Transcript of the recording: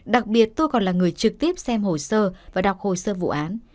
đặc biệt tôi còn là người trực tiếp xem hồ sơ và đọc hồ sơ vụ án